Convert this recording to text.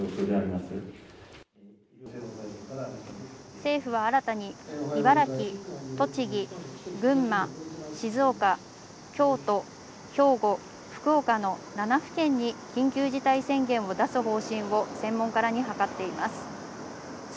政府は新たに茨城、栃木、群馬、静岡、京都、兵庫、福岡の７府県に緊急事態宣言を出す方針を専門家らに諮っています。